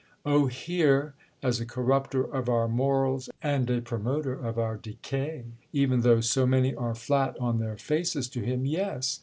"Oh, here—as a corrupter of our morals and a promoter of our decay, even though so many are flat on their faces to him—yes!